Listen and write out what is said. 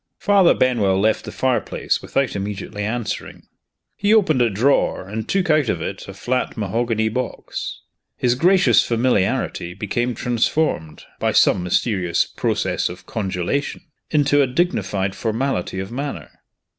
Father Benwell left the fireplace without immediately answering. He opened a drawer and took out of it a flat mahogany box. His gracious familiarity became transformed, by some mysterious process of congelation, into a dignified formality of manner.